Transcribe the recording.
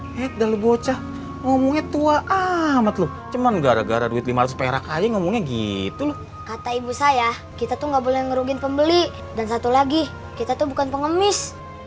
microbes omong itu amat lu cuman gara gara duit lima ratus perak kayak ngomongnya gitu loh kata ibu saya kita tuh nggak boleh ngerugin pembeli dan satu lagi kita tuh bukan pengemis